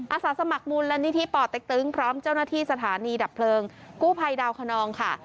อาสาสมัครมูลนิธิป่อเต็กตึงพร้อมเจ้าหน้าที่สถานีดับเพลิงกู้ภัยดาวคนนองค่ะ